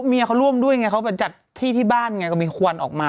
เมียเขาร่วมด้วยเขาจะจัดที่บ้านอย่างเนี่ยก็มีควรออกมา